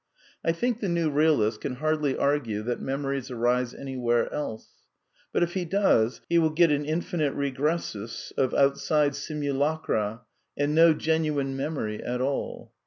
. I think the new realist can hardly argue that memories T"'^ arise anywhere else. But if he does, he will get an infinite I regressus of outside simulacra and no genuine memory I at all.